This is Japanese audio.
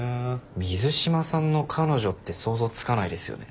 水島さんの彼女って想像つかないですよね。